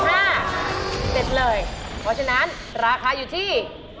เพราะฉะนั้นราคาอยู่ที่